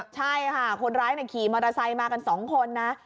ใช่ค่ะคนร้ายขี่มอเตอร์ไซค์มากัน๒คนนะ